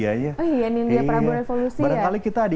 pangkat bedah dan kesibukan sehari hari